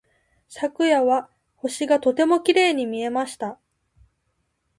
昨夜は星がとてもきれいに見えました。